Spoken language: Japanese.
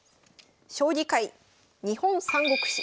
将棋界「日本三国志」。